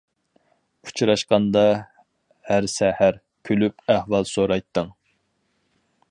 ئۇچراشقاندا ھەر سەھەر، كۈلۈپ ئەھۋال سورايتتىڭ.